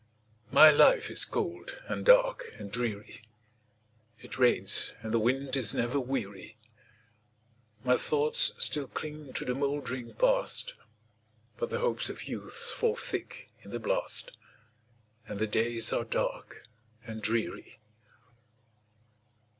My life is cold, and dark, and dreary; It rains, and the wind is never weary; My thoughts still cling to the mouldering Past, But the hopes of youth fall thick in the blast, And the days are dark and dreary.